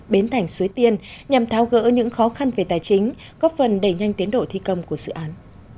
biến thành suối tiên nhằm tháo gỡ những khó khăn về tài chính góp phần đẩy nhanh tiến độ thi công của dự án